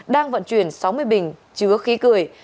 đang vận chuyển sáu mươi bình chứa khí cười